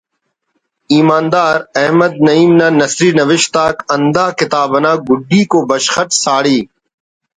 ایماندار احمد نعیم نا نثری نوشت آک ہند ا کتاب نا گڈیکو بشخ اٹ ساڑی